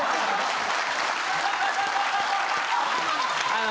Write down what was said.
あの。